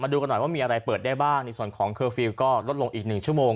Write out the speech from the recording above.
ดูกันหน่อยว่ามีอะไรเปิดได้บ้างในส่วนของเคอร์ฟิลล์ก็ลดลงอีก๑ชั่วโมง